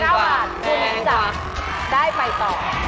๕บาทคุณจะได้ไปต่อ